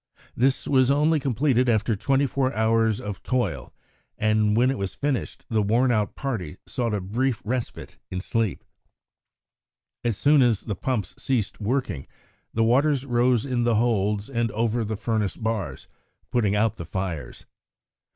This was only completed after twenty four hours of toil, and when it was finished the worn out party sought a brief respite in sleep. As soon as the pumps ceased working the waters rose in the holds and over the furnace bars, putting out the fires.